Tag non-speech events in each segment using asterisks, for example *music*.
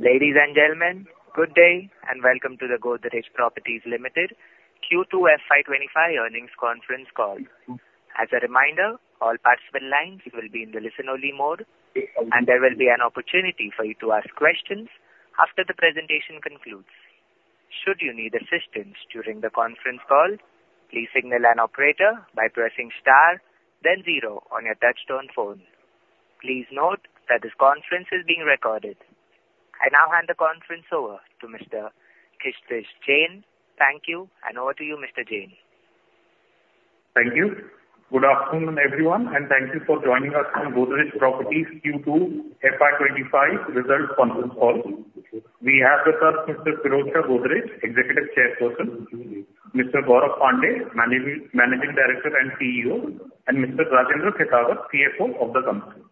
Ladies and gentlemen, good day, and welcome to the Godrej Properties Limited Q2 FY 2025 earnings conference call. As a reminder, all participant lines will be in the listen-only mode, and there will be an opportunity for you to ask questions after the presentation concludes. Should you need assistance during the conference call, please signal an operator by pressing star then zero on your touchtone phone. Please note that this conference is being recorded. I now hand the conference over to Mr. Kshitij Jain. Thank you, and over to you, Mr. Jain. Thank you. Good afternoon, everyone, and thank you for joining us on Godrej Properties Q2 FY 2025 results conference call. We have with us Mr. Pirojsha Godrej, Executive Chairperson, Mr. Gaurav Pandey, Managing Director and CEO, and Mr. Rajendra Khetawat, CFO of the company.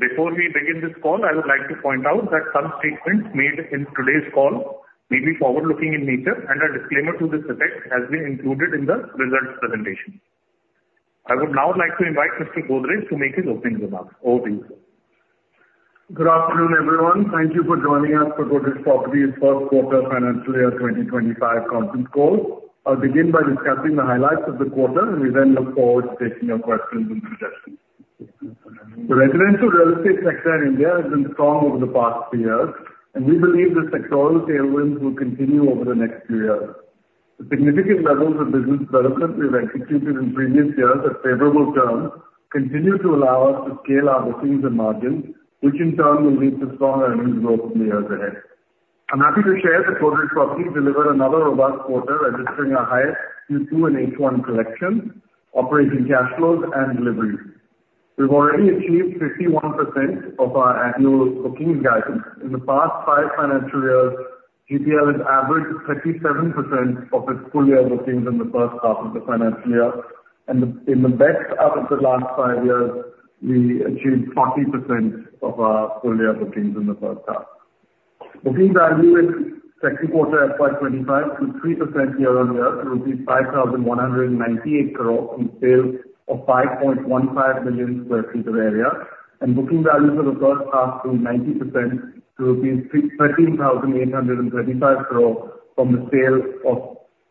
Before we begin this call, I would like to point out that some statements made in today's call may be forward-looking in nature, and a disclaimer to this effect has been included in the results presentation. I would now like to invite Mr. Godrej to make his opening remarks. Over to you, sir. Good afternoon, everyone. Thank you for joining us for Godrej Properties' first quarter financial year 2025 conference call. I'll begin by discussing the highlights of the quarter, and we then look forward to taking your questions and suggestions. The residential real estate sector in India has been strong over the past few years, and we believe the sectoral tailwinds will continue over the next few years. The significant levels of business development we've executed in previous years at favorable terms continue to allow us to scale our bookings and margins, which in turn will lead to strong earnings growth in the years ahead. I'm happy to share that Godrej Properties delivered another robust quarter, registering our highest Q2 and H1 collections, operating cash flows, and deliveries. We've already achieved 51% of our annual bookings guidance. In the past five financial years, GPL has averaged 37% of its full year bookings in the first half of the financial year, and in the best out of the last five years, we achieved 40% of our full year bookings in the first half. Booking value in second quarter FY 2025 grew 3% year-on-year to rupees 5,198 crore from sales of 5.15 million sq ft of area, and booking values for the first half grew 90% to rupees 13,835 crore from the sale of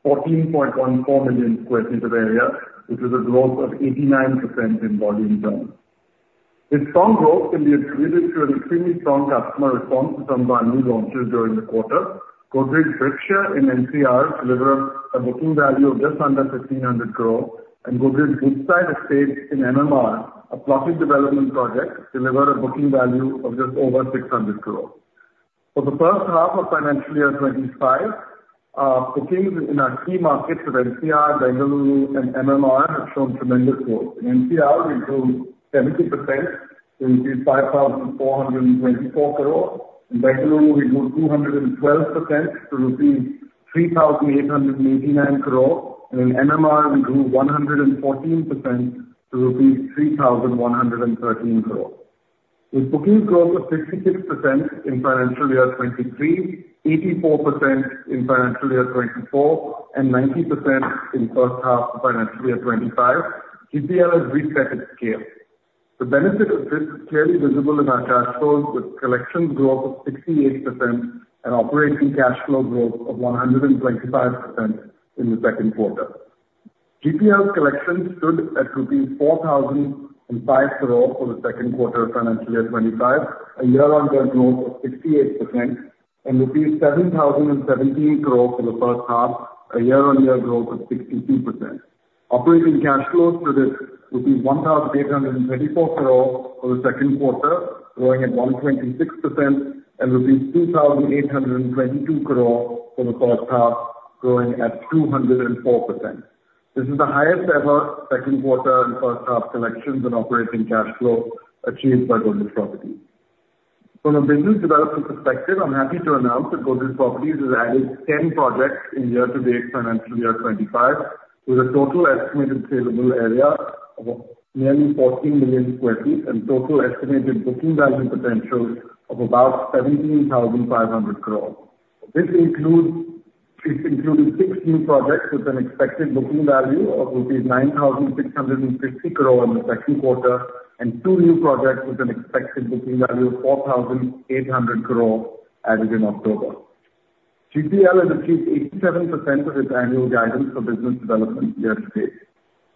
14.14 million sq ft of area, which is a growth of 89% in volume terms. This strong growth can be attributed to an extremely strong customer response from our new launches during the quarter. Godrej Vriksha in NCR delivered a booking value of just under 1,500 crore, and Godrej Woodside Estate in MMR, a plotted development project, delivered a booking value of just over 600 crore. For the first half of financial year 2025, our bookings in our key markets of NCR, Bengaluru, and MMR have shown tremendous growth. In NCR, we grew 70% to 5,424 crore. In Bengaluru, we grew 212% to rupees 3,889 crore, and in MMR, we grew 114% to rupees 3,113 crore. With bookings growth of 66% in financial year 2023, 84% in financial year 2024, and 90% in first half of financial year 2025, GPL has reset its scale. The benefit of this is clearly visible in our cash flows, with collections growth of 68% and operating cash flow growth of 125% in the second quarter. GPL's collections stood at rupees 4,005 crore for the second quarter of financial year 2025, a year-on-year growth of 68%, and rupees 7,017 crore for the first half, a year-on-year growth of 62%. Operating cash flows for this, 1,834 crore for the second quarter, growing at 126%, and 2,822 crore for the first half, growing at 204%. This is the highest ever second quarter and first half collections and operating cash flow achieved by Godrej Properties. From a business development perspective, I'm happy to announce that Godrej Properties has added ten projects in year-to-date financial year 2025, with a total estimated saleable area of nearly 14 million sq ft and total estimated booking value potential of about 17,500 crore. This includes six new projects with an expected booking value of rupees 9,660 crore in the second quarter, and two new projects with an expected booking value of 4,800 crore added in October. GPL has achieved 87% of its annual guidance for business development year to date.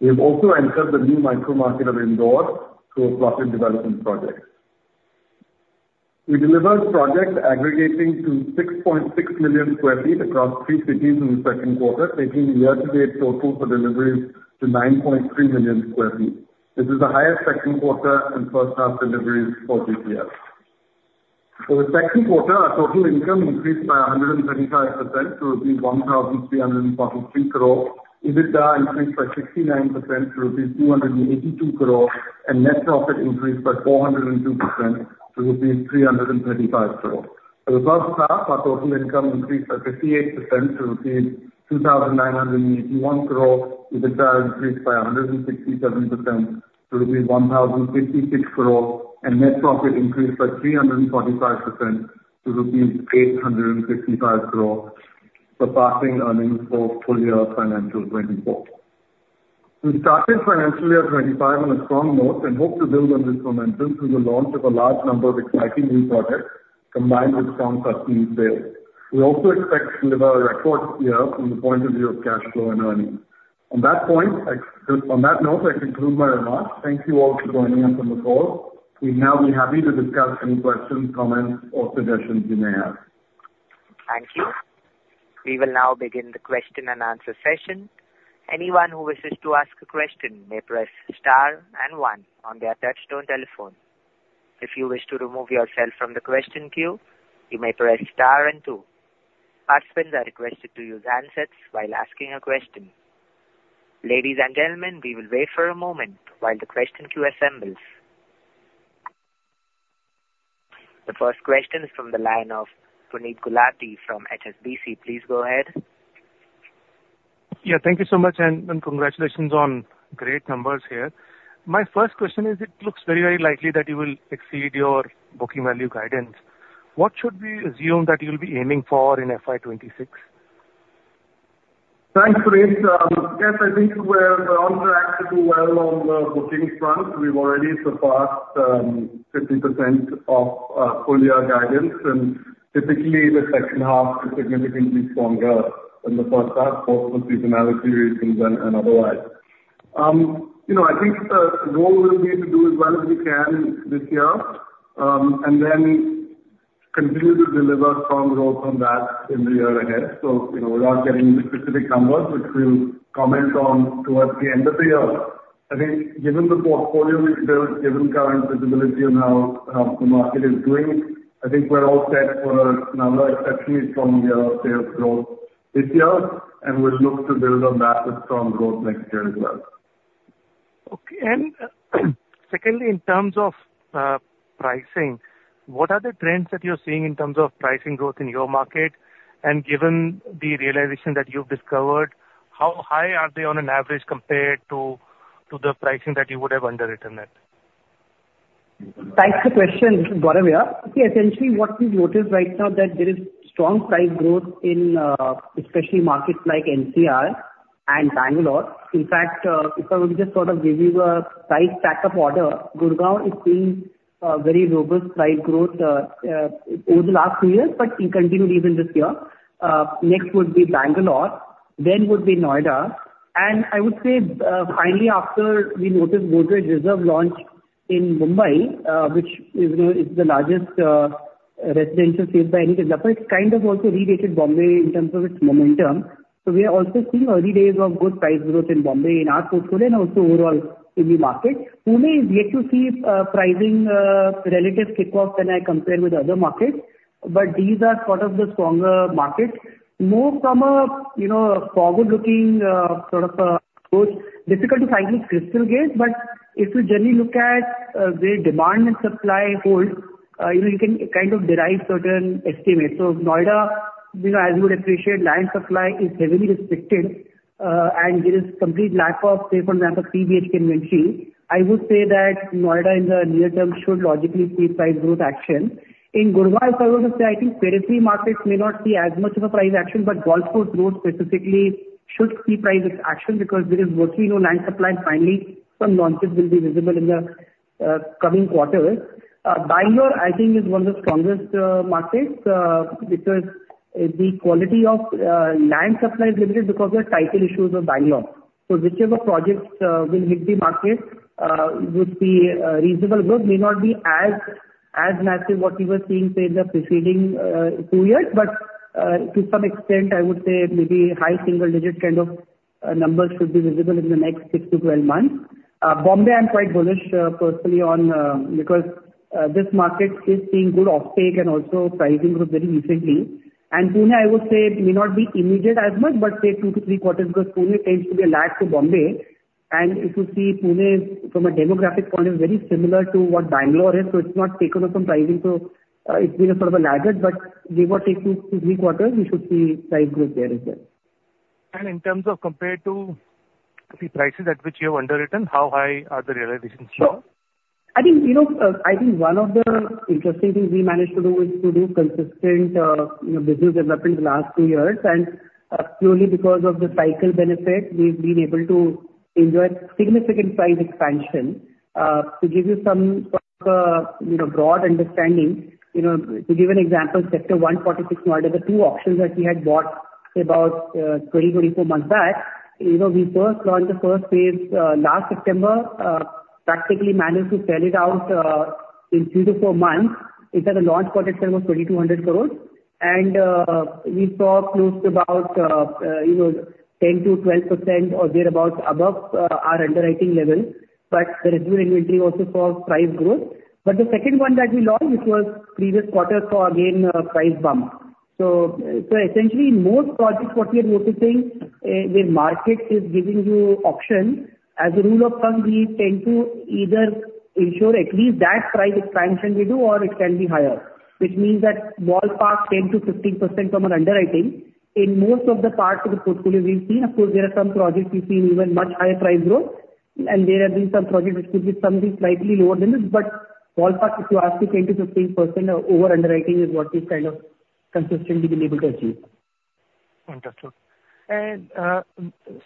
We have also entered the new micro market of Indore through a plotted development project. We delivered projects aggregating to 6.6 million sq ft across three cities in the second quarter, taking year-to-date total for deliveries to 9.3 million sq ft. This is the highest second quarter and first half deliveries for GPL. For the second quarter, our total income increased by 135% to INR 1,343 crore. EBITDA increased by 69% to INR 282 crore, and net profit increased by 402% to INR 335 crore. For the first half, our total income increased by 58% to INR 2,981 crore. EBITDA increased by 167% to INR 1,056 crore, and net profit increased by 345% to rupees 855 crore, surpassing earnings for full year financial 2024. We've started financial year 2025 on a strong note and hope to build on this momentum through the launch of a large number of exciting new projects, combined with strong customer sales. We also expect to deliver a record year from the point of view of cash flow and earnings. On that point, on that note, I conclude my remarks. Thank you all for joining us on the call. We'll now be happy to discuss any questions, comments, or suggestions you may have. Thank you. We will now begin the question-and-answer session. Anyone who wishes to ask a question may press star and one on their touch-tone telephone. If you wish to remove yourself from the question queue, you may press star and two. Participants are requested to use handsets while asking a question. Ladies and gentlemen, we will wait for a moment while the question queue assembles. The first question is from the line of Puneet Gulati from HSBC. Please go ahead. Yeah, thank you so much, and congratulations on great numbers here. My first question is: It looks very, very likely that you will exceed your booking value guidance. What should we assume that you'll be aiming for in FY 2026? Thanks, Puneet. Yes, I think we're on track to do well on the bookings front. We've already surpassed 50% of full year guidance, and typically, the second half is significantly stronger than the first half, both for seasonality reasons and otherwise. You know, I think the goal will be to do as well as we can this year, and then continue to deliver strong growth from that in the year ahead. So, you know, without getting into specific numbers, which we'll comment on towards the end of the year, I think given the portfolio we've built, given current visibility on how the market is doing, I think we're all set for another exceptionally strong year of sales growth this year, and we'll look to build on that with strong growth next year as well. Okay. And secondly, in terms of pricing, what are the trends that you're seeing in terms of pricing growth in your market? And given the realization that you've discovered, how high are they on an average compared to the pricing that you would have underwritten it? Thanks for the question, Gaurav, yeah. Okay, essentially what we've noticed right now that there is strong price growth in, especially markets like NCR and Bangalore. In fact, if I would just sort of give you a price stack of order, Gurgaon is seeing, very robust price growth, over the last two years, but it continued even this year. Next would be Bangalore, then would be Noida. And I would say, finally, after we noticed Godrej Reserve launch in Mumbai, which is the largest, residential sales by any developer, it's kind of also reignited Bombay in terms of its momentum. So we are also seeing early days of good price growth in Bombay, in our portfolio and also overall in the market. Pune is yet to see, pricing, relative kick-off when I compare with other markets, but these are sort of the stronger markets. More from a, you know, forward-looking, sort of, growth. Difficult to finally crystal gaze, but if you generally look at, the demand and supply hold, you know, you can kind of derive certain estimates. So Noida, you know, as you would appreciate, land supply is heavily restricted, and there is complete lack of, say, for example, CBHT inventory. I would say that Noida, in the near term, should logically see price growth action. In Gurgaon, if I were to say, I think periphery markets may not see as much of a price action, but Golf Course Road specifically should see price action because there is virtually no land supply, and finally some launches will be visible in the, coming quarters. Bangalore I think is one of the strongest markets because the quality of land supply is limited because there are title issues with Bangalore. So whichever projects will hit the market would be reasonable growth may not be as massive what we were seeing say in the preceding two years. But to some extent I would say maybe high single digit kind of numbers should be visible in the next 6 months-12 months. Bombay I'm quite bullish personally on because this market is seeing good offtake and also pricing growth very recently. And Pune I would say may not be immediate as much but say two to three quarters because Pune tends to be a lag to Bombay. And if you see, Pune, from a demographic point, is very similar to what Bangalore is, so it's not taken off from pricing, so, it's been a sort of a laggard, but give or take two to three quarters, we should see price growth there as well. In terms of compared to the prices at which you have underwritten, how high are the realizations here? I think, you know, I think one of the interesting things we managed to do is to do consistent, you know, business development in the last two years. And, purely because of the cycle benefit, we've been able to enjoy significant price expansion. To give you some sort of, you know, broad understanding, you know, to give an example, Sector 146 Noida, the two options that we had bought about 20 months-24 months back, you know, we first launched the first phase last September. Practically managed to sell it out in three months- four months. In fact, the launch quarter itself was 2,200 crores, and we saw close to about, you know, 10%-12% or thereabout above our underwriting level, but the residual inventory also saw price growth. But the second one that we launched, which was previous quarter, saw again, price bump. So, so essentially, most projects, what we are noticing, the market is giving you options. As a rule of thumb, we tend to either ensure at least that price expansion we do, or it can be higher, which means that ballpark, 10%-15% from an underwriting. In most of the parts of the portfolio, we've seen, of course, there are some projects we've seen even much higher price growth... and there have been some projects which could be something slightly lower than this, but ballpark, if you ask me, 20%-15% over underwriting is what we've kind of consistently been able to achieve. Understood, and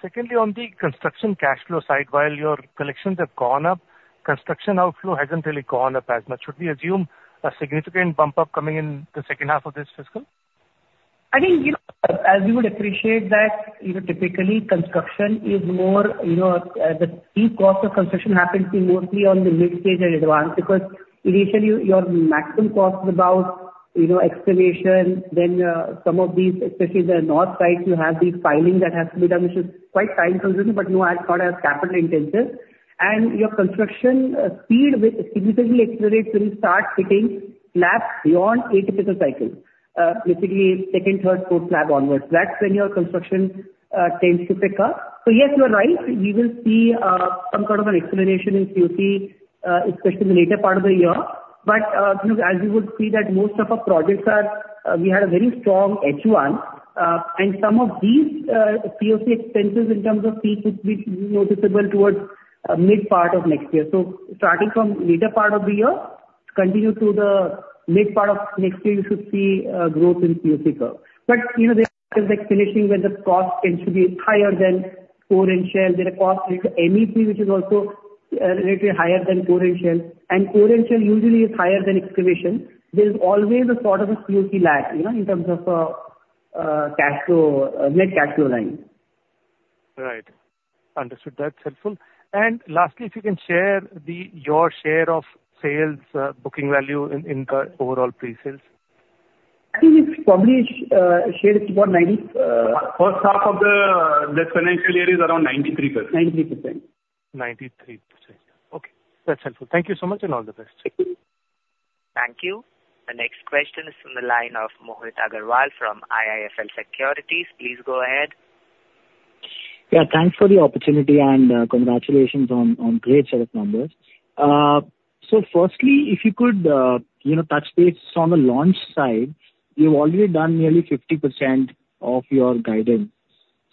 secondly, on the construction cash flow side, while your collections have gone up, construction outflow hasn't really gone up as much. Should we assume a significant bump up coming in the second half of this fiscal? I think, you know, as you would appreciate that, you know, typically construction is more, you know, the key cost of construction happens to be mostly on the mid stage and advance. Because initially, your maximum cost is about, you know, excavation, then, some of these, especially the NCR sites, you have these piling that has to be done, which is quite time consuming, but no, as far as capital intensive. And your construction speed will significantly accelerate when you start hitting slabs beyond a typical cycle, basically second, third, fourth slab onwards. That's when your construction tends to pick up. So yes, you're right, we will see some kind of an escalation in COC, especially in the later part of the year. But, you know, as you would see that most of our projects are. We had a very strong H1, and some of these COC expenses in terms of fees should be noticeable towards mid part of next year, so starting from later part of the year, continue through the mid part of next year, you should see growth in COC curve. But, you know, there is like finishing where the cost tends to be higher than core and shell. There are costs like MEP, which is also relatively higher than core and shell, and core and shell usually is higher than excavation. There's always a sort of a COC lag, you know, in terms of cash flow, net cash flow line. Right. Understood. That's helpful. And lastly, if you can share your share of sales, booking value in the overall pre-sales? I think it's probably shared about 90%. First half of this financial year is around 93%. 93%. 93%. Okay, that's helpful. Thank you so much, and all the best. Thank you. Thank you. The next question is from the line of Mohit Agarwal from IIFL Securities. Please go ahead. Yeah, thanks for the opportunity, and, congratulations on great set of numbers. So firstly, if you could, you know, touch base on the launch side, you've already done nearly 50% of your guidance,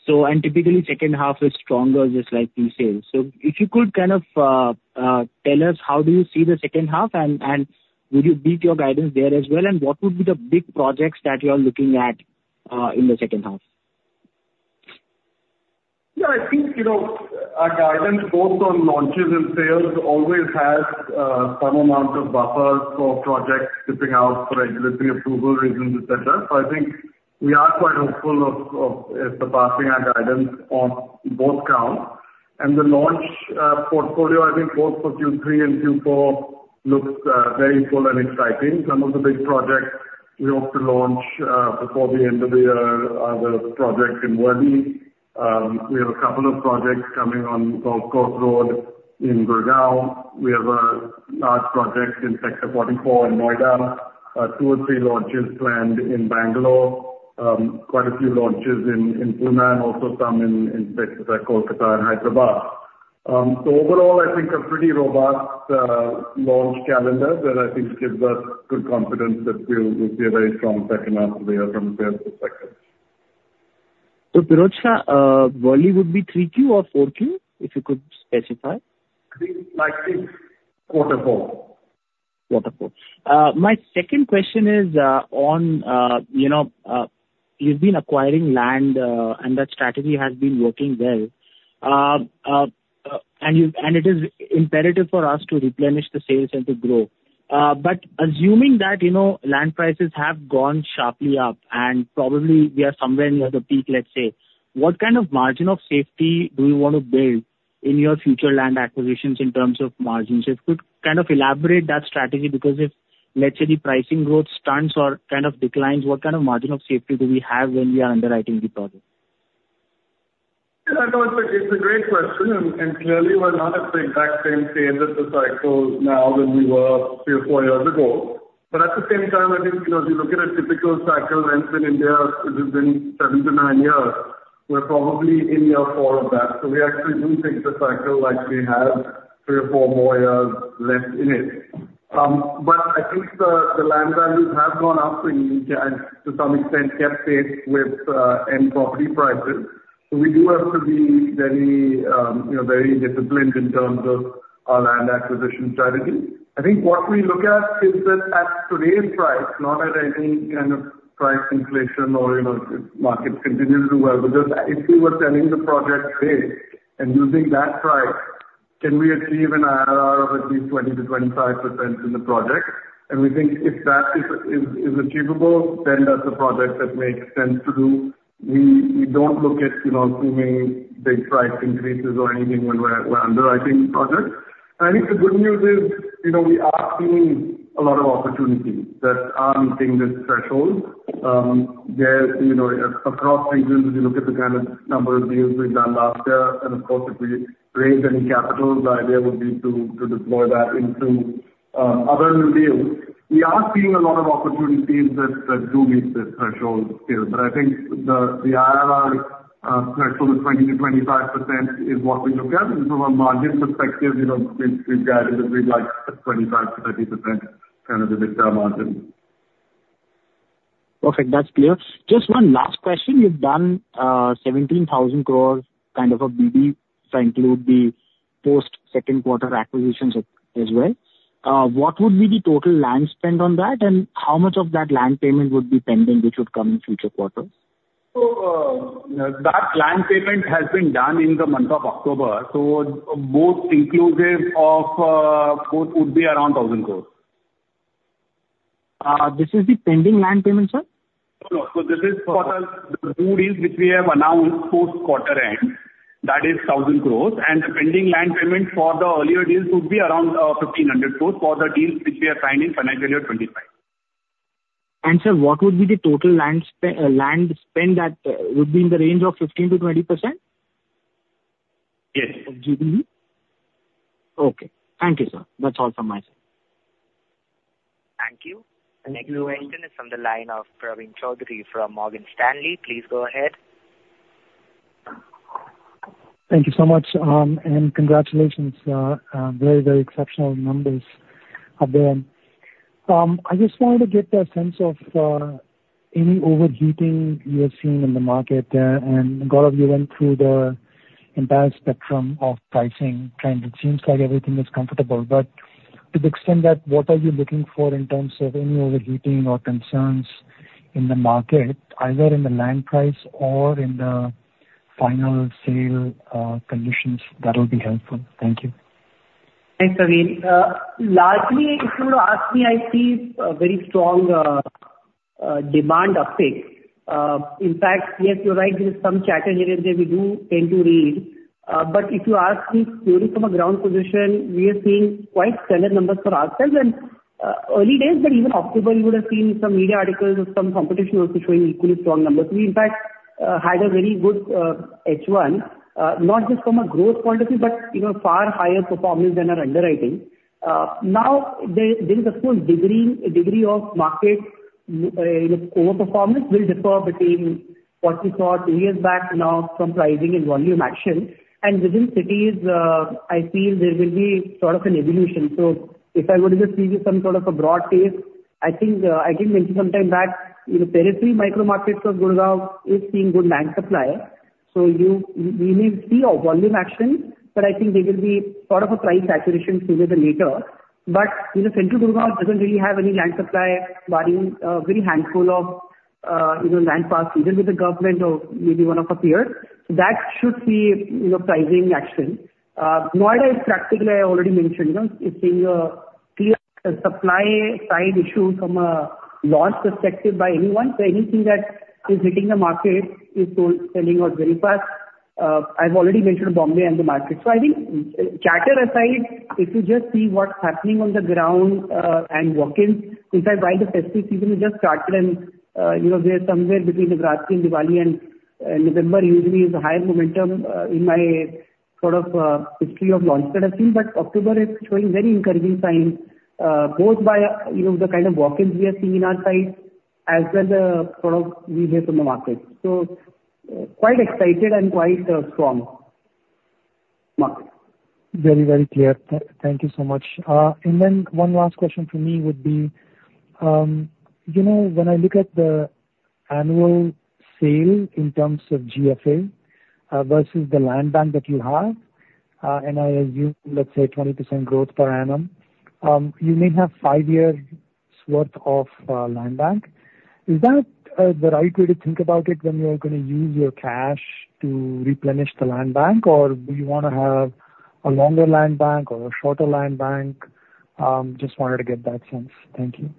so, and typically, second half is stronger, just like pre-sales. So if you could kind of tell us how do you see the second half, and will you beat your guidance there as well? And what would be the big projects that you are looking at in the second half? Yeah, I think, you know, our guidance, both on launches and sales, always has some amount of buffers for projects skipping out for regulatory approval reasons, et cetera. So I think we are quite hopeful of surpassing our guidance on both counts. And the launch portfolio, I think both for Q3 and Q4, looks very full and exciting. Some of the big projects we hope to launch before the end of the year are the projects in Worli. We have a couple of projects coming on Golf Course Road in Gurgaon. We have a large project in Sector 44 in Noida. Two or three launches planned in Bangalore. Quite a few launches in Pune, and also some in places like Kolkata and Hyderabad. So overall, I think a pretty robust launch calendar that I think gives us good confidence that we will see a very strong second half of the year from a sales perspective. Pirojsha, [Worli] would be 3Q or 4Q, if you could specify? I think, like, quarter four. Quarter four. My second question is, on, you know, you've been acquiring land, and that strategy has been working well. And it is imperative for us to replenish the sales and to grow. But assuming that, you know, land prices have gone sharply up, and probably we are somewhere near the peak, let's say, what kind of margin of safety do you want to build in your future land acquisitions in terms of margins? If you could kind of elaborate that strategy, because if, let's say, the pricing growth stunts or kind of declines, what kind of margin of safety do we have when we are underwriting the project? Yeah, look, it's a great question, and clearly, we're not at the exact same phase of the cycle now than we were three or four years ago. But at the same time, I think, you know, if you look at a typical cycle length in India, it has been seven to nine years. We're probably in year four of that, so we actually do think the cycle likely has three or four more years left in it. But I think the land values have gone up in Mumbai, and to some extent kept pace with end property prices. So we do have to be very, you know, very disciplined in terms of our land acquisition strategy. I think what we look at is that at today's price, not at any kind of price inflation or, you know, if market continues to do well, because if we were selling the project today, and using that price, can we achieve an IRR of at least 20%-25% in the project? And we think if that is achievable, then that's a project that makes sense to do. We don't look at, you know, assuming big price increases or anything when we're underwriting projects. I think the good news is, you know, we are seeing a lot of opportunities that are meeting this threshold. There, you know, across regions, if you look at the kind of number of deals we've done last year, and of course, if we raised any capital, the idea would be to deploy that into other new deals. We are seeing a lot of opportunities that do meet this threshold still, but I think the IRR threshold of 20%-25% is what we look at. Because from a margin perspective, you know, we've guided that we'd like a 25%-30% kind of EBITDA margin. Perfect, that's clear. Just one last question. You've done 17,000 crores kind of a BD, so include the post second quarter acquisitions as well. What would be the total land spend on that, and how much of that land payment would be pending, which would come in future quarters? That land payment has been done in the month of October, so both inclusive of both would be around 1,000 crores. This is the pending land payment, sir? No. So this is for the two deals which we have announced post quarter end, that is 1,000 crores. And the pending land payment for the earlier deals would be around 1,500 crores for the deals which we have signed in financial year 2025. Sir, what would be the total land spend that would be in the range of 15%-20%? Yes. GDM? Okay, thank you, sir. That's all from my side. Thank you. Thank you. The next question is from the line of Praveen Choudhary from Morgan Stanley. Please go ahead. Thank you so much, and congratulations, very, very exceptional numbers out there. I just wanted to get a sense of any overheating you are seeing in the market, and Gaurav, you went through the entire spectrum of pricing trends. It seems like everything is comfortable, but to the extent that, what are you looking for in terms of any overheating or concerns in the market, either in the land price or in the final sale conditions, that would be helpful. Thank you. Thanks, Praveen. Largely, if you were to ask me, I see a very strong demand uptake. In fact, yes, you're right, there is some chatter in there that we do tend to read. But if you ask me, purely from a ground position, we are seeing quite standard numbers for ourselves. And early days, but even October, you would have seen some media articles of some competition also showing equally strong numbers. We, in fact, had a very good H1, not just from a growth point of view, but, you know, far higher performance than our underwriting. Now, there is, of course, a degree of market, you know, overperformance will differ between what we thought two years back now from pricing and volume action. And within cities, I feel there will be sort of an evolution. So if I were to just give you some sort of a broad case, I think, I think mentioned sometime back, you know, periphery micro markets of Gurgaon is seeing good land supply. So you, we may see a volume action, but I think there will be sort of a price saturation sooner than later. But, you know, central Gurgaon doesn't really have any land supply, barring, very handful of, you know, land parcels, even with the government or maybe one of peer. So that should see, you know, pricing action. Noida is practically, I already mentioned, you know, it's been a clear supply-side issue from a launch perspective by anyone. So anything that is hitting the market is sold, selling or very fast. I've already mentioned Bombay and the market. So I think, chatter aside, if you just see what's happening on the ground and walk-ins, in fact, while the festive season has just started and, you know, we are somewhere between Dussehra and Diwali, and November usually is a higher momentum in my sort of history of launches that I've seen. But October is showing very encouraging signs, both by, you know, the kind of walk-ins we are seeing in our sites, as well as sort of we hear from the market. So, quite excited and quite strong market. Very, very clear. Thank you so much. And then one last question from me would be, you know, when I look at the annual sale in terms of GFA, versus the land bank that you have, and I assume, let's say, 20% growth per annum, you may have five years' worth of land bank. Is that the right way to think about it when you are going to use your cash to replenish the land bank, or do you want to have a longer land bank or a shorter land bank? Just wanted to get that sense. Thank you.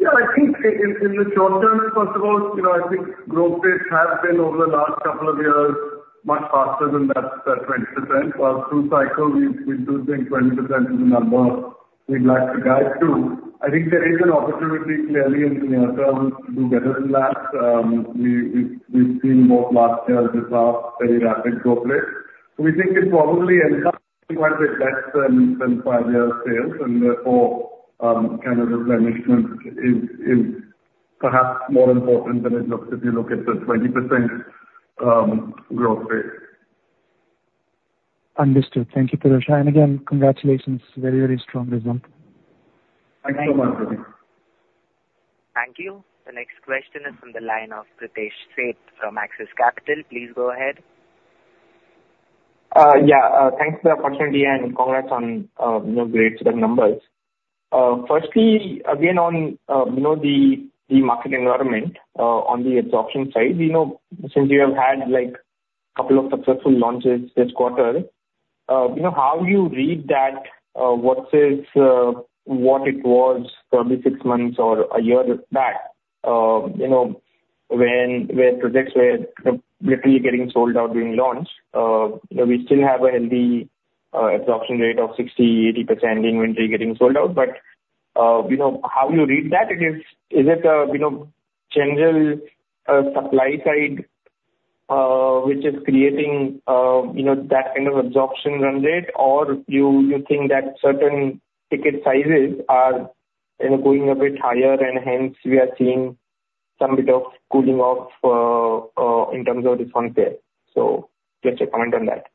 Yeah, I think in the short term, first of all, you know, I think growth rates have been over the last couple of years, much faster than that 20%. Through cycle, we do think 20% is the number we'd like to guide to. I think there is an opportunity clearly in near term to do better than that. We've seen both last year and this year, very rapid growth rate. So we think it's probably going to be quite a bit less than five years' sales, and therefore, kind of replenishment is perhaps more important than it looks if you look at the 20% growth rate. Understood. Thank you, Purush, and again, congratulations. Very, very strong result. Thanks so much, Praveen. Thank you. The next question is from the line of Pritesh Sheth from Axis Capital. Please go ahead. Yeah, thanks for the opportunity, and congrats on, you know, great set of numbers. Firstly, again, on, you know, the market environment, on the absorption side, we know since you have had, like, couple of successful launches this quarter, you know, how you read that, versus, what it was probably six months or a year back, you know, when, where projects were literally getting sold out during launch. We still have a healthy, absorption rate of 60%-80% inventory getting sold out, but, you know, how you read that? It is... Is it, you know, general, supply side, which is creating, you know, that kind of absorption run rate? Or you think that certain ticket sizes are, you know, going a bit higher, and hence we are seeing some bit of cooling off in terms of the front sale? So just a comment on that.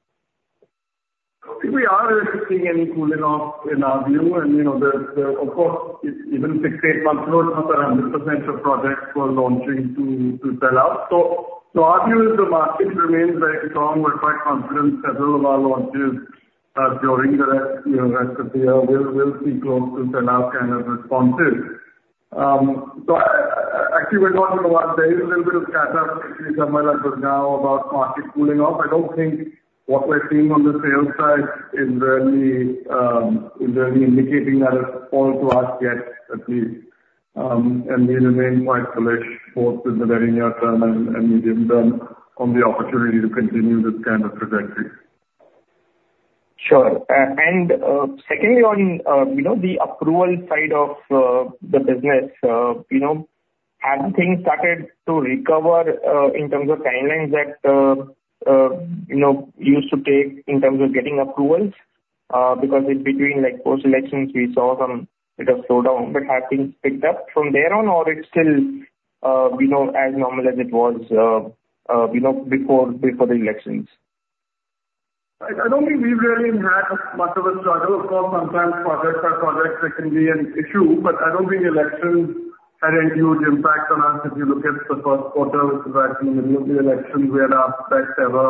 I don't think we are seeing any cooling off in our view, and, you know, there's, of course, it was even six, eight months ago, it's not that 100% of projects were launching to sell out. So our view is the market remains very strong. We're quite confident several of our launches during the rest of the year will see close to sell out kind of responses. So I actually, going on to what there is a little bit of chatter, actually, somewhere like just now about market cooling off. I don't think what we're seeing on the sales side is really indicating that at all to us yet, at least. And we remain quite bullish both in the very near term and medium term on the opportunity to continue this kind of trajectory. Sure. And, secondly, on, you know, the approval side of, the business, you know, have things started to recover, in terms of timelines that, you know, used to take in terms of getting approvals? Because in between, like, post-elections, we saw some bit of slowdown, but have things picked up from there on, or it's still, you know, as normal as it was, you know, before the elections? I don't think we've really had much of a struggle. Of course, sometimes projects are projects that can be an issue, but I don't think elections had any huge impact on us. If you look at the first quarter, which was actually in the middle of the elections, we had our best ever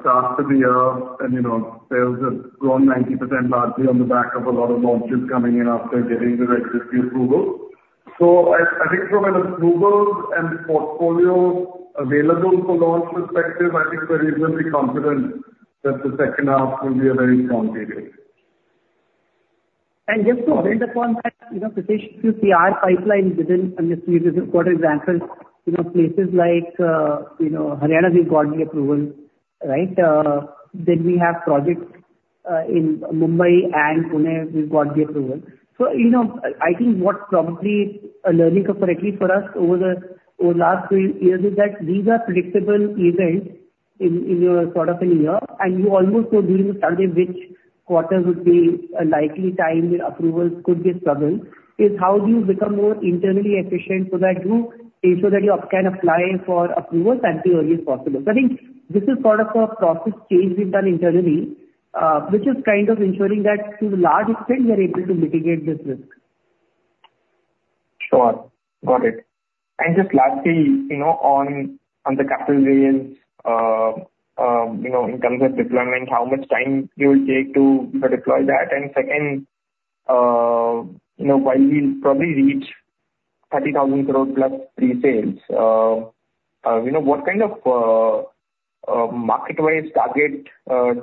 start to the year. And, you know, sales have grown 90% largely on the back of a lot of launches coming in after getting the regulatory approval. So I think from an approvals and portfolio available for launch perspective, I think we're reasonably confident that the second half will be a very strong period. And just to build upon that, you know, Pritesh, you see our pipeline within, and this quarter example, you know, places like, you know, Haryana, we've got the approval, right? Then we have projects in Mumbai and Pune, we've got the approval. So, you know, I think what probably a learning separately for us over the, over the last three years is that these are predictable events in, in your sort of an year, and you almost know during the survey which quarter would be a likely time where approvals could get struggled, is how do you become more internally efficient so that you ensure that you can apply for approvals at the earliest possible? I think this is sort of a process change we've done internally, which is kind of ensuring that to the large extent, we are able to mitigate this risk. Sure. Got it. And just lastly, you know, on the capital raise, you know, in terms of deployment, how much time you will take to deploy that? And second, you know, while we probably reach 30,000 crores+ pre-sales, you know, what kind of market-wide target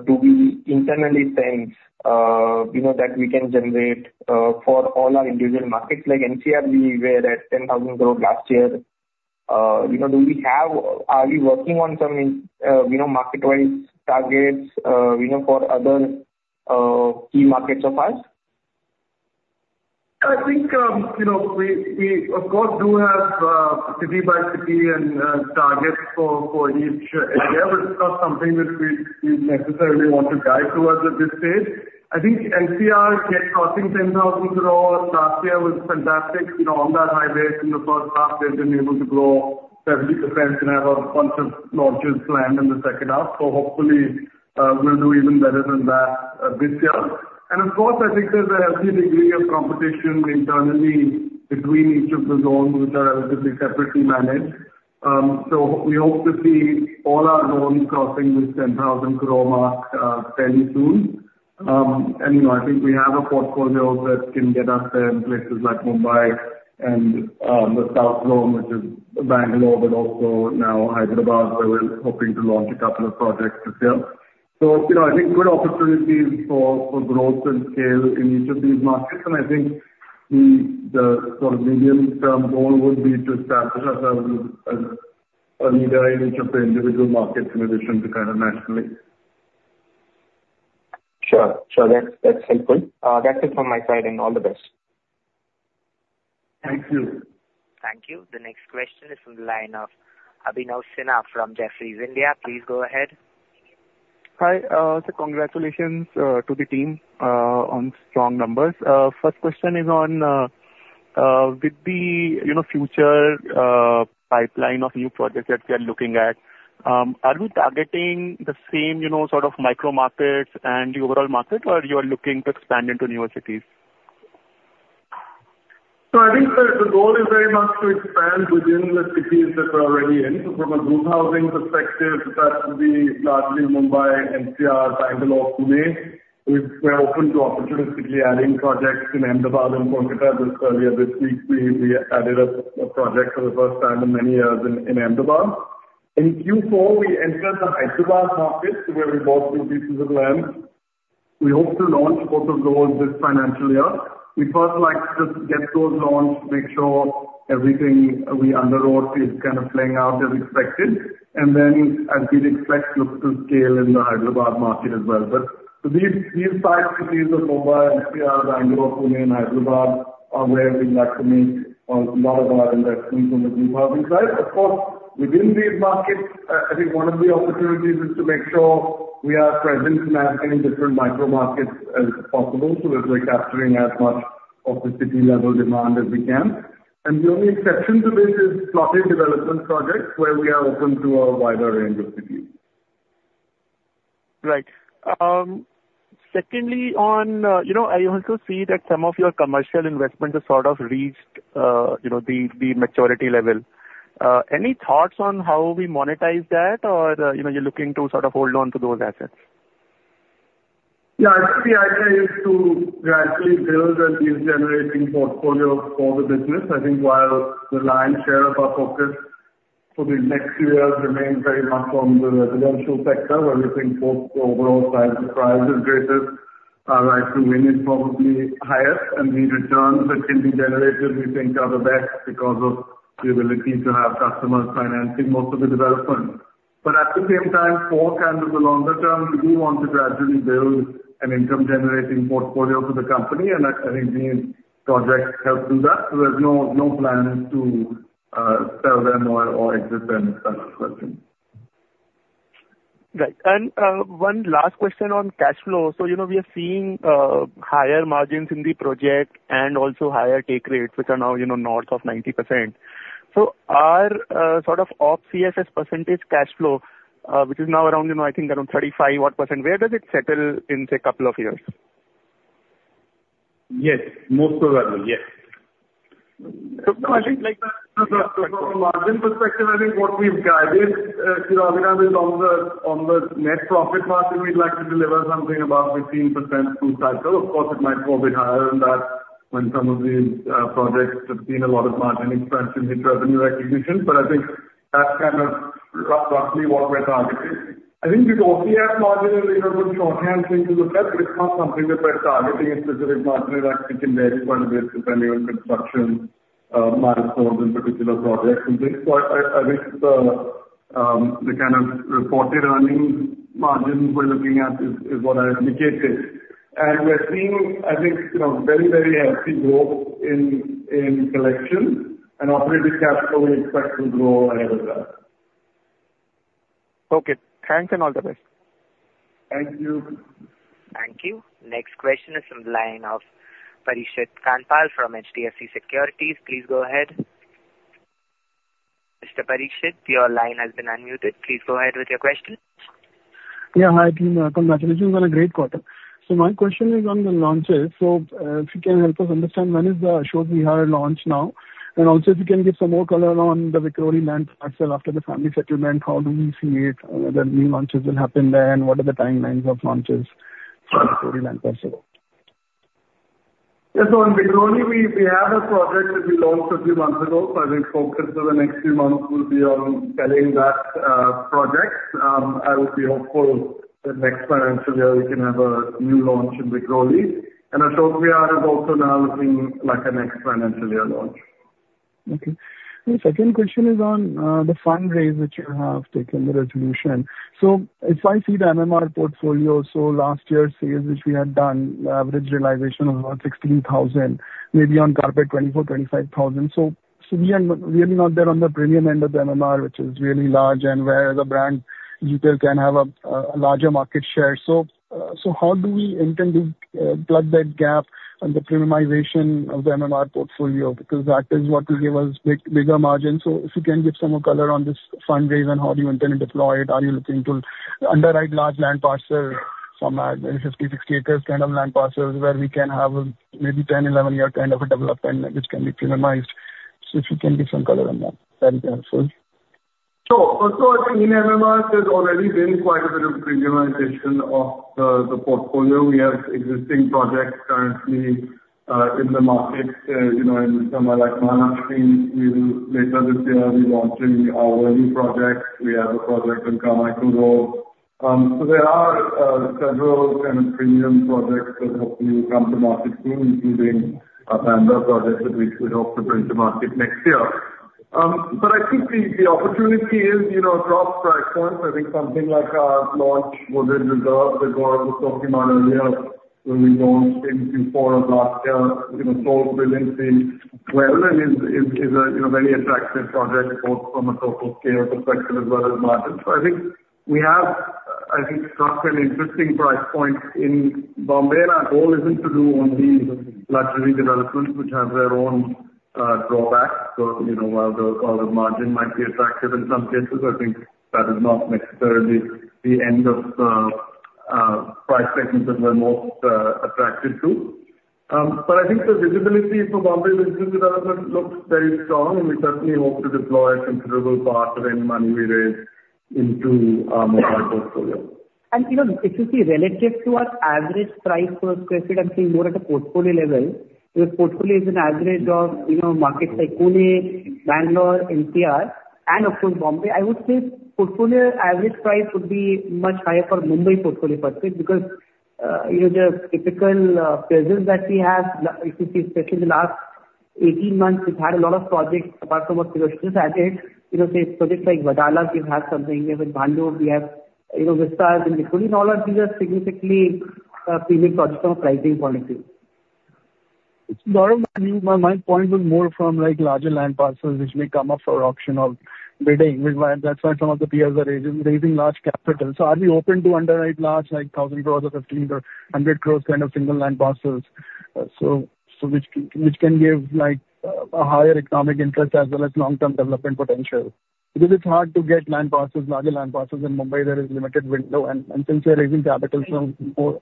do we internally think, you know, that we can generate for all our individual markets? Like NCR, we were at 10,000 crores last year. You know, do we have... Are we working on some market-wide targets, you know, for other key markets of ours? I think, you know, we of course do have city by city and targets for each area. But it's not something which we necessarily want to guide towards at this stage. I think NCR hitting 10,000 crores last year was fantastic. You know, on that high base, in the first half, they've been able to grow 30% and have a bunch of launches planned in the second half. So hopefully, we'll do even better than that this year. And of course, I think there's a healthy degree of competition internally between each of the zones, which are relatively separately managed. So we hope to see all our zones crossing this 10,000 crores mark fairly soon. And, you know, I think we have a portfolio that can get us there in places like Mumbai and the South zone, which is Bangalore, but also now Hyderabad, where we're hoping to launch a couple of projects this year. So, you know, I think good opportunities for growth and scale in each of these markets, and I think the sort of medium-term goal would be to establish ourselves as a leader in each of the individual markets, in addition to kind of nationally. Sure. Sure, that's, that's helpful. That's it from my side, and all the best. Thank you. Thank you. The next question is from the line of Abhinav Sinha from Jefferies India. Please go ahead. Hi, so congratulations to the team on strong numbers. First question is on with the, you know, future pipeline of new projects that we are looking at, are we targeting the same, you know, sort of micro markets and the overall market, or you are looking to expand into newer cities? So I think the goal is very much to expand within the cities that we're already in. So from a group housing perspective, that would be largely Mumbai, NCR, Bangalore, Pune. We're open to opportunistically adding projects in Ahmedabad and Kolkata. Just earlier this week, we added a project for the first time in many years in Ahmedabad. In Q4, we entered the Hyderabad market, where we bought two pieces of land. We hope to launch both of those this financial year. We'd first like to just get those launched, make sure everything we underwrote is kind of playing out as expected, and then I'd indeed expect to look to scale in the Hyderabad market as well. But these five cities of Mumbai, NCR, Bangalore, Pune, and Hyderabad are where we'd like to make a lot of our investments on the group housing side. Of course, within these markets, I think one of the opportunities is to make sure we are present in as many different micro markets as possible, so that we're capturing as much of the city level demand as we can, and the only exception to this is plotted development projects, where we are open to a wider range of cities. Right. Secondly, on, you know, I also see that some of your commercial investments have sort of reached, you know, the maturity level. Any thoughts on how we monetize that or, you know, you're looking to sort of hold on to those assets? Yeah, I think the idea is to gradually build a deal-generating portfolio for the business. I think while the lion's share of our focus for the next few years remains very much on the residential sector, where we think both the overall size of prize is greatest, our right to win is probably highest, and the returns that can be generated, we think, are the best because of the ability to have customers financing most of the development. But at the same time, for kind of the longer term, we do want to gradually build an income-generating portfolio for the company, and I, I think these projects help do that. So there's no, no plans to sell them or exit them, if that's the question. Right. And, one last question on cash flow. So, you know, we are seeing higher margins in the project and also higher take rates, which are now, you know, north of 90%. So, our sort of OCF percentage cash flow, which is now around, you know, I think around 35% odd. Where does it settle in, say, a couple of years? Yes. Most probably, yes. So I think like the. *audio distortion* From a margin perspective, I think what we've guided to Ravina is on the net profit margin. We'd like to deliver something about 15% through cycle. Of course, it might go a bit higher than that when some of these projects have seen a lot of margin expansion in revenue recognition. But I think that's kind of roughly what we're targeting. I think the OCF margin is, you know, a good shorthand thing to look at, but it's not something that we're targeting a specific margin. It actually can vary quite a bit depending on construction milestones in particular projects. And so I think the kind of reported earnings margins we're looking at is what I indicated. We're seeing, I think, you know, very, very healthy growth in collections and operating cash flow. We expect to grow another well. Okay, thanks and all the best. Thank you. Thank you. Next question is from the line of Parikshit Kandpal from HDFC Securities. Please go ahead. Mr. Parikshit, your line has been unmuted. Please go ahead with your question. Yeah, hi, team. Congratulations on a great quarter. My question is on the launches. If you can help us understand, when is the Ashok Vihar launch now? And also, if you can give some more color on the Vikhroli land parcel after the family settlement, how do we see it? The new launches will happen there, and what are the timelines of launches for the Vikhroli land parcel? Yes, so in Vikhroli, we have a project that we launched a few months ago, so I think focus for the next few months will be on selling that project. I would be hopeful that next financial year we can have a new launch in Vikhroli. And Ashok Vihar is also now looking like a next financial year launch. Okay. The second question is on the fundraise, which you have taken, the resolution. So as I see the MMR portfolio, so last year's sales, which we had done, average realization of about 16,000, maybe on carpet, 24,000-25,000. So, so we are really not there on the premium end of the MMR, which is really large, and where the brand you can have a larger market share. So, so how do we intend to plug that gap and the premiumization of the MMR portfolio? Because that is what will give us bigger margins. So if you can give some more color on this fundraise and how do you intend to deploy it, are you looking to underwrite large land parcels, some like 50 acres-60 acres kind of land parcels, where we can have a maybe 10-year-11-year kind of a development which can be premiumized? So if you can give some color on that, that would be helpful. So, first of all, I think in MMR, there's already been quite a bit of premiumization of the, the portfolio. We have existing projects currently in the market. You know, in somewhere like Mahalaxmi, we will later this year be launching our new projects. We have a project on Carmichael Road. So there are several kind of premium projects that hopefully come to market soon, including a Bandra project that we should hope to bring to market next year. But I think the, the opportunity is, you know, across price points. I think something like our launch was in Reserve, that Gaurav was talking about earlier, when we launched in quarter of last year, you know, sold really well and is a, you know, very attractive project, both from a total care perspective as well as margins. So I think we have, I think, struck an interesting price point in Bombay. Our goal isn't to do only luxury developments, which have their own drawbacks. So, you know, while the margin might be attractive in some cases, I think that is not necessarily the end of price segments that we're most attracted to. But I think the visibility for Bombay residential development looks very strong, and we certainly hope to deploy a considerable part of the money we raise into our Mumbai portfolio. You know, if you see relative to our average price per square feet, I'm seeing more at a portfolio level. Because portfolio is an average of, you know, markets like Pune, Bangalore, NCR, and of course, Bombay. I would say portfolio average price would be much higher for Mumbai portfolio per se, because, you know, the typical presence that we have, if you see, especially in the last eighteen months, we've had a lot of projects, apart from acquisition added. You know, say, projects like Wadala, we have something. In Bhandup, we have, you know, Vistas in Pune. All of these are significantly premium projects from a pricing point of view. It's not only my, my point was more from, like, larger land parcels which may come up for auction or bidding, that's why some of the peers are raising large capital. So are we open to underwrite large, like, thousand crores or fifteen or hundred crores kind of single land parcels? So which can give, like, a higher economic interest as well as long-term development potential. Because it's hard to get land parcels, larger land parcels in Mumbai, there is limited window and since we are raising capital from more.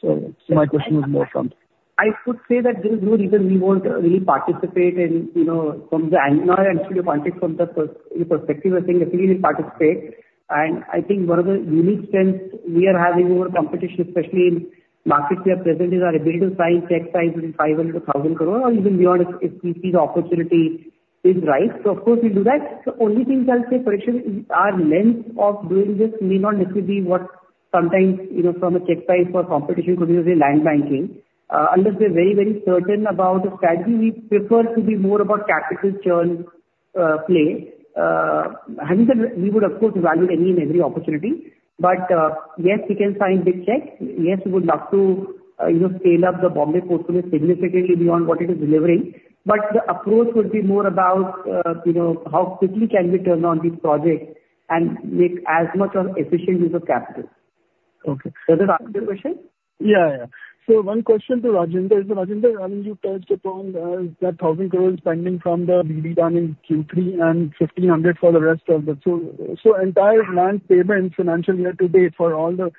So my question is more from. I could say that there is no reason we won't really participate in, you know, from the angle, not actually point it from the perspective, I think definitely we'll participate. And I think one of the unique strengths we are having over competition, especially in markets we are present, is our ability to sign check sizes 500 crores-1,000 crores or even beyond if we see the opportunity is right. So of course we'll do that. The only thing I'll say, Prashant, is our length of doing this may not necessarily be what sometimes, you know, from a check size for competition, because you say land banking, unless we are very, very certain about the strategy, we prefer to be more about capital churn, play. Having said that, we would of course evaluate any and every opportunity. But yes, we can sign big checks. Yes, we would love to, you know, scale up the Bombay portfolio significantly beyond what it is delivering. But the approach would be more about, you know, how quickly can we turn on these projects and make as much of efficient use of capital. Okay. Does that answer your question? Yeah, yeah. So one question to Rajendra. So Rajendra, you touched upon that 1,000 crores spending from the BB done in Q3 and 1,500 crores for the rest of the *audio distortion* so entire land payments, financial year to date for all the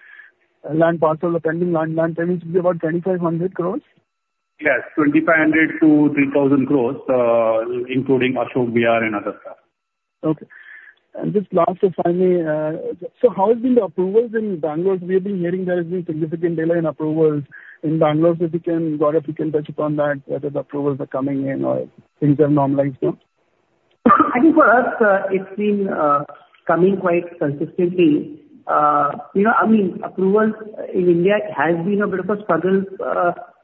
land parcel, the pending land, land payments will be about 2,500 crores? Yes, 2,500 crores-3,000 crores, including Ashok Vihar and other stuff. Okay. And just last and finally, so how has been the approvals in Bangalore? We have been hearing there has been significant delay in approvals in Bangalore. So if you can, Gaurav, if you can touch upon that, whether the approvals are coming in or things have normalized now. I think for us, it's been coming quite consistently. You know, I mean, approvals in India has been a bit of a struggle,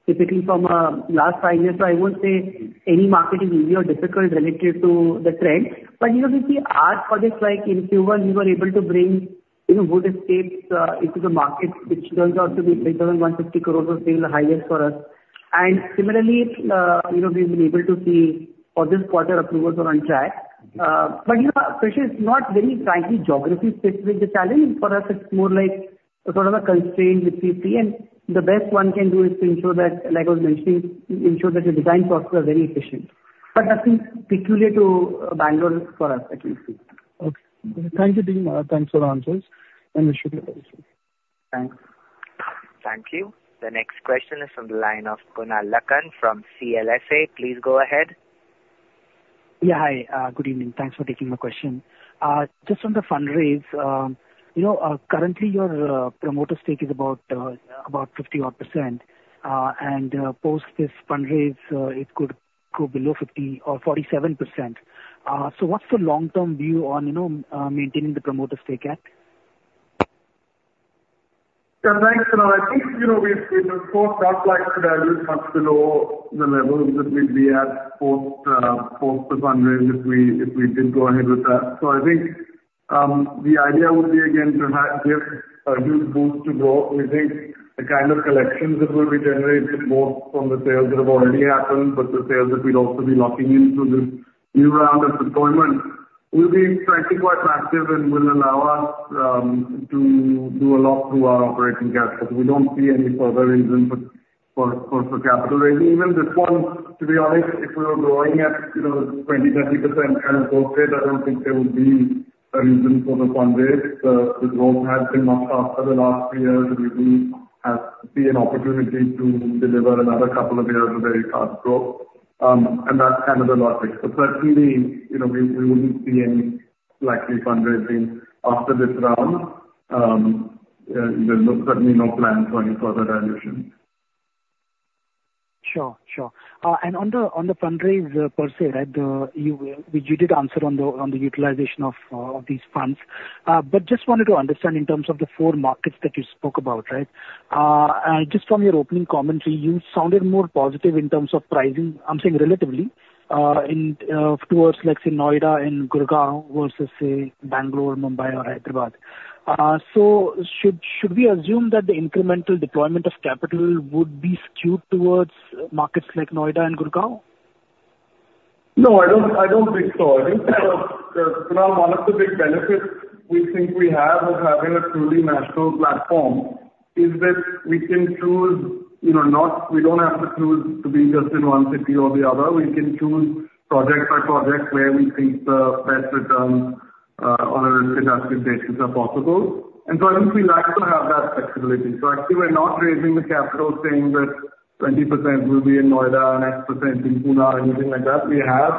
typically from last five years. So I won't say any market is easy or difficult relative to the trend. But, you know, we see our projects, like in Pune, we were able to bring, you know, good estates into the market, which turns out to be 8,150 crores, was still the highest for us. And similarly, you know, we've been able to see for this quarter, approvals are on track. But, you know, Prashant, it's not, very frankly, geography specific, the challenge. For us, it's more like a sort of a constraint which we see, and the best one can do is to ensure that, like I was mentioning, ensure that your design processes are very efficient. But that seems peculiar to Bangalore for us, at least. Okay. Thank you, team. Thanks for the answers, and appreciate it. Thanks. Thank you. The next question is from the line of Kunal Lakhan from CLSA. Please go ahead. Yeah, hi. Good evening. Thanks for taking my question. Just on the fundraise, you know, currently, your promoter stake is about, about fifty odd %. And, post this fundraise, it could go below 50% or 47%. So what's the long-term view on, you know, maintaining the promoter stake at? Yeah, thanks, Kunal. I think, you know, we would of course not like to dilute much below the levels that we'll be at post the fundraise, if we did go ahead with that. So I think the idea would be, again, to give a huge boost to growth. We think the kind of collections that will be generated, both from the sales that have already happened, but the sales that we'll also be locking in through this new round of deployment, will be frankly quite massive and will allow us to do a lot through our operating cash flow. We don't see any further reason for capital raising. Even this one, to be honest, if we were growing at, you know, 20%-30% kind of growth rate, I don't think there would be a reason for the fundraise. The growth has been much faster the last three years, and we do have, see an opportunity to deliver another couple of years of very fast growth. And that's kind of the logic. But certainly, you know, we wouldn't see any likely fundraising after this round. There's certainly no plans for any further dilution. Sure, sure. And on the fundraise per se, right, you did answer on the utilization of these funds. But just wanted to understand in terms of the four markets that you spoke about, right? Just from your opening commentary, you sounded more positive in terms of pricing, I'm saying relatively, towards like, say, Noida and Gurgaon versus, say, Bangalore, Mumbai, or Hyderabad. So should we assume that the incremental deployment of capital would be skewed towards markets like Noida and Gurgaon? No, I don't, I don't think so. I think, Kunal, one of the big benefits we think we have of having a truly national platform is that we can choose, you know, not... We don't have to choose to be just in one city or the other. We can choose project by project where we think the best returns, on a risk-adjusted basis are possible. And so I think we like to have that flexibility. So actually, we're not raising the capital saying that 20% will be in Noida and x% in Pune or anything like that. We have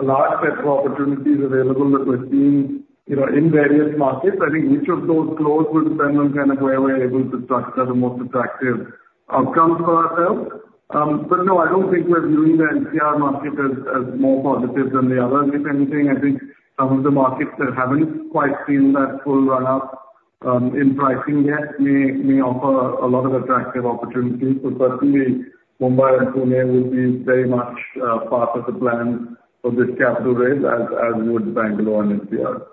a large set of opportunities available that we're seeing, you know, in various markets. I think each of those flows will depend on kind of where we're able to structure the most attractive outcomes for ourselves. But no, I don't think we're viewing the NCR market as more positive than the others. If anything, I think some of the markets that haven't quite seen that full run-up in pricing yet may offer a lot of attractive opportunities. So certainly, Mumbai and Pune will be very much part of the plan for this capital raise, as would Bangalore and NCR.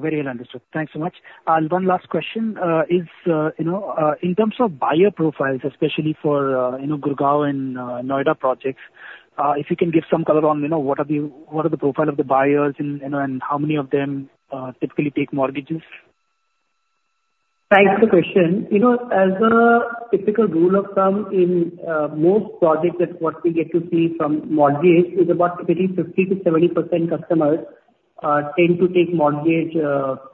Very well understood. Thanks so much. One last question, is, you know, in terms of buyer profiles, especially for, you know, Gurgaon and, Noida projects, if you can give some color on, you know, what are the profile of the buyers and, you know, and how many of them, typically take mortgages? Thanks for the question. You know, as a typical rule of thumb, in most projects that what we get to see from mortgage is about typically 50%-70% customers tend to take mortgage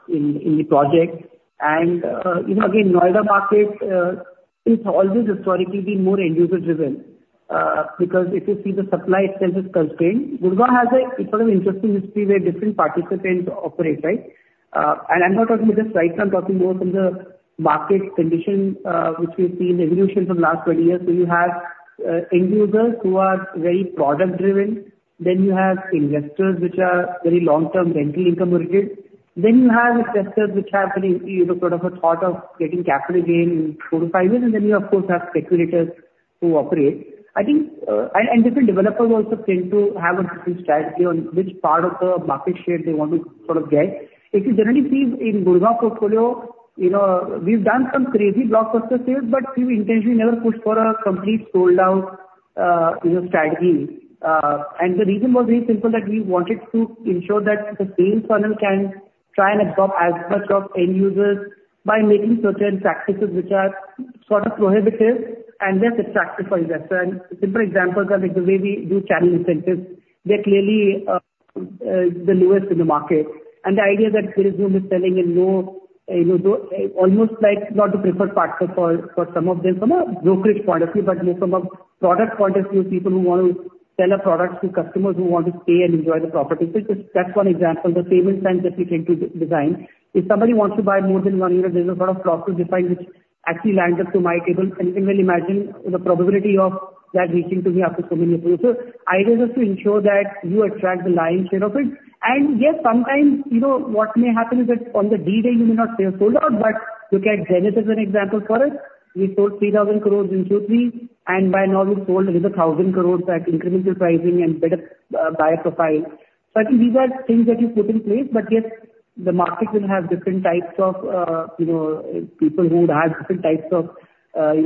in the project, and you know, again, Noida market, it's always historically been more end-user driven because if you see the supply itself is constrained. Gurgaon has a sort of interesting history where different participants operate, right? And I'm not talking about this right, I'm talking more from the market condition which we've seen the evolution from last 20 years, so you have end users who are very product driven, then you have investors which are very long-term rental income oriented. Then you have investors which have very, you know, sort of a thought of getting capital gain in four to five years, and then you of course have speculators who operate. I think, and different developers also tend to have a strategy on which part of the market share they want to sort of get. If you generally see in Gurgaon portfolio, you know, we've done some crazy blockbuster sales, but we intentionally never pushed for a completely sold out, you know, strategy. And the reason was very simple, that we wanted to ensure that the sales funnel can try and absorb as much of end users by making certain practices which are sort of prohibitive and less attractive for investors. And simple examples are like the way we do channel incentives. We are clearly the lowest in the market. And the idea that there is no misselling and no, you know, though, almost like not the preferred partner for some of them from a brokerage point of view, but more from a product point of view, people who want to sell a product to customers who want to stay and enjoy the property. So just, that's one example. The payment plans that we tend to design. If somebody wants to buy more than one unit, there's a lot of process defined which actually lands up to my table. And you can well imagine the probability of that reaching to me after so many approval. So idea is just to ensure that you attract the lion's share of it. And, yes, sometimes, you know, what may happen is that on the D-Day, you may not have sold out, but look at Zenith as an example for us. We sold 3,000 crores in 2023, and by now we've sold over 1,000 crores at incremental pricing and better buyer profile. So I think these are things that you put in place, but yet the market will have different types of, you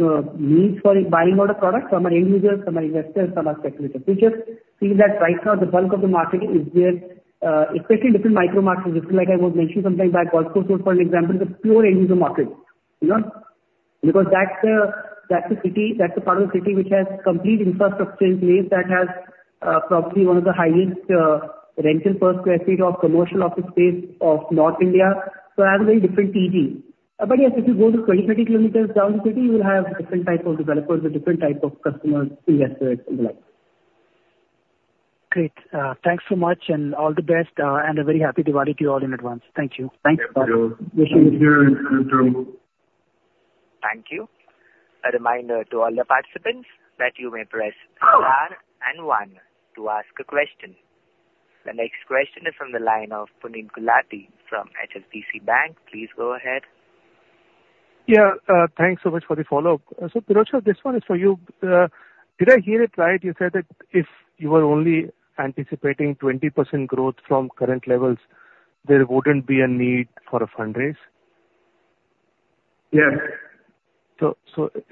know, needs for buying our product. Some are end users, some are investors, some are speculators. We just feel that right now the bulk of the market is there, especially different micro markets. Just like I was mentioning sometime back, Golf Course Road, for example, is a pure end-user market, you know? Because that's the city, that's the part of the city which has complete infrastructure in place, that has probably one of the highest rental per sq ft of commercial office space of North India. So I have a very different TG. But yes, if you go to 20 km-30 km down the city, you will have different type of developers with different type of customers, investors and the like. Great. Thanks so much and all the best, and a very happy Diwali to you all in advance. Thank you. Thank you. Thank you. Thank you. A reminder to all the participants that you may press star and one to ask a question. The next question is from the line of Puneet Gulati from HSBC. Please go ahead. Yeah, thanks so much for the follow-up. So, Pirojsha, this one is for you. Did I hear it right? You said that if you were only anticipating 20% growth from current levels, there wouldn't be a need for a fundraise? Yes. So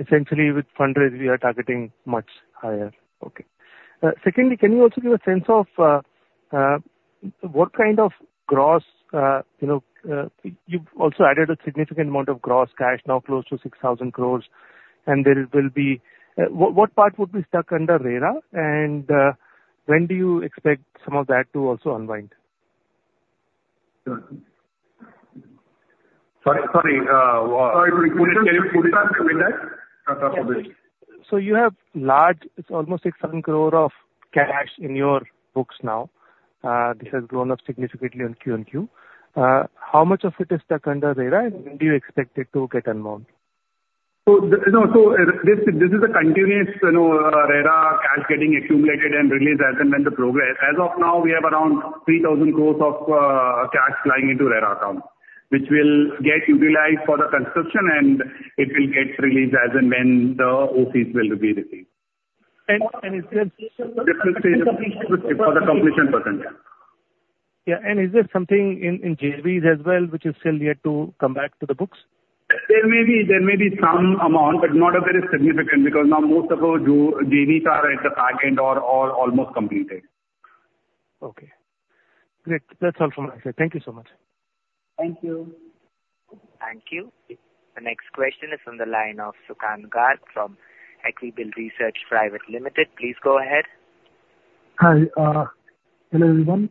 essentially, with fundraise, we are targeting much higher. Okay. Secondly, can you also give a sense of what kind of gross, you know, you've also added a significant amount of gross cash, now close to 6,000 crores, and there will be, what part would be stuck under RERA, and when do you expect some of that to also unwind? Sorry, sorry, what? Sorry, could you repeat that? So you have large, it's almost 600 crores of cash in your books now. This has grown up significantly on QoQ. How much of it is stuck under RERA, and when do you expect it to get unwound? So, you know, so this, this is a continuous, you know, RERA cash getting accumulated and released as and when the progress. As of now, we have around 3,000 crores of cash lying into RERA account, which will get utilized for the construction, and it will get released as and when the OCs will be received. Is there? For the completion percentage. Yeah. And is there something in JVs as well, which is still yet to come back to the books? There may be some amount, but not a very significant, because now most of our JVs are at the back end or almost completed. Okay, great. That's all from my side. Thank you so much. Thank you. Thank you. The next question is from the line of Sukant Garg from Equirus Securities Private Limited. Please go ahead. Hi, hello, everyone.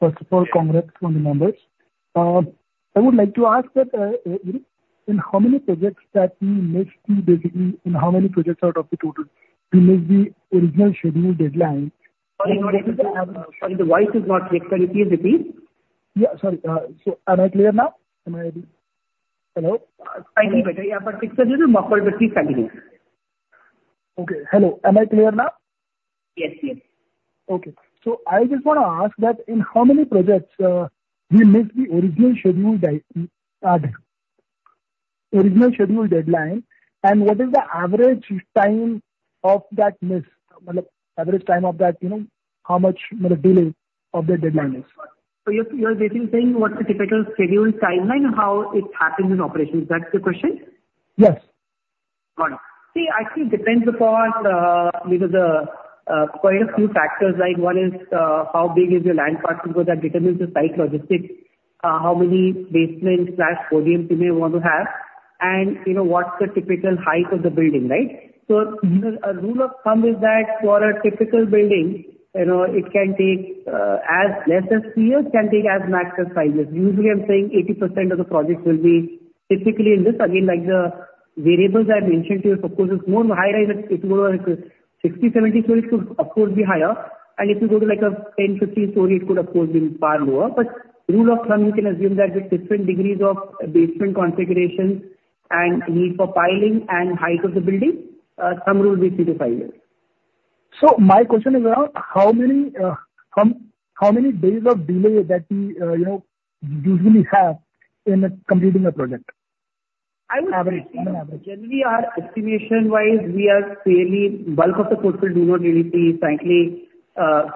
First of all, congrats on the numbers. I would like to ask that, in how many projects that we missed basically, in how many projects out of the total we made the original scheduled deadline? Sorry, the voice is not clear. Can you please repeat? Yeah, sorry. So am I clear now? Am I, hello? Slightly better. Yeah, but it's a little muffled, but please continue. Okay. Hello, am I clear now? Yes. Yes. Okay. So I just want to ask that in how many projects we missed the original scheduled deadline, and what is the average time of that missed? You know, how much delay of the deadline is? You're, you're basically saying what's the typical scheduled timeline, and how it happens in operations, that's the question? Yes. Got it. See, I think depends upon, you know, the, quite a few factors like, one is, how big is your land parcel, because that determines the site logistics. How many basements/podiums you may want to have, and, you know, what's the typical height of the building, right? Mm-hmm. So a rule of thumb is that for a typical building, you know, it can take as less as two years, can take as max as five years. Usually, I'm saying 80% of the projects will be typically in this. Again, like, the variables I mentioned to you, of course, is more higher, if more like 60 stories, 70 stories could of course be higher, and if you go to, like, a 10 story-15 story, it could of course be far lower. But rule of thumb, you can assume that with different degrees of basement configurations and need for piling and height of the building, thumb rule will be two to five years. So my question is around how many, how many days of delay that we, you know, usually have in completing a project? I would say. On average. Generally, our estimation-wise, we are fairly bulk of the portfolio do not really see, frankly,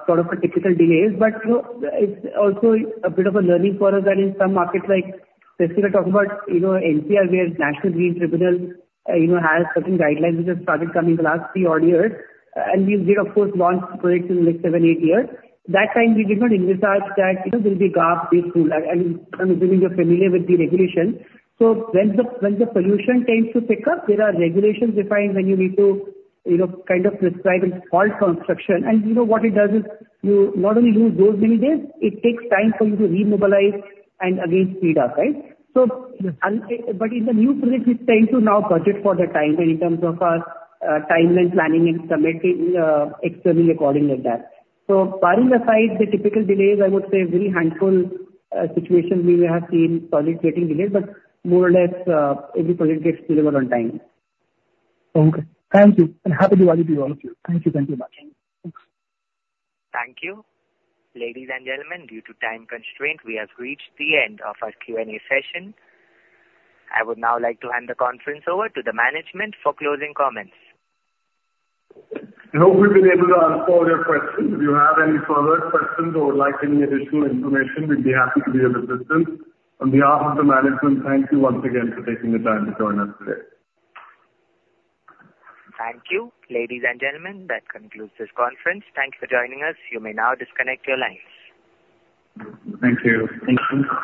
sort of a typical delays. But, you know, it's also a bit of a learning for us that in some markets like, let's say, we are talking about, you know, NCR, where National Green Tribunal, you know, has certain guidelines which have started coming in the last three odd years. And we did, of course, launch projects in like seven, eight years. That time we did not envisage that, you know, there will be gap between, and you are familiar with the regulations. So when the pollution tends to pick up, there are regulations defined when you need to, you know, kind of prescribe and halt construction. And you know what it does is, you not only lose those many days, it takes time for you to remobilize and again speed up, right? Yes. So, but in the new projects, we tend to now budget for the time in terms of our, timeline, planning and submitting, executing according like that. So barring aside the typical delays, I would say a very handful situations we have seen projects getting delayed, but more or less, every project gets delivered on time. Okay. Thank you, and happy Diwali to all of you. Thank you. Thank you very much. Thank you. Thank you. Ladies and gentlemen, due to time constraint, we have reached the end of our Q&A session. I would now like to hand the conference over to the management for closing comments. I hope we've been able to answer all your questions. If you have any further questions or would like any additional information, we'd be happy to be of assistance. On behalf of the management, thank you once again for taking the time to join us today. Thank you. Ladies and gentlemen, that concludes this conference. Thank you for joining us. You may now disconnect your lines. Thank you. Thank you.